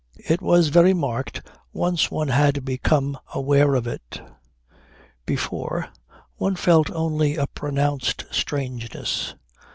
It was very marked once one had become aware of it. Before, one felt only a pronounced strangeness.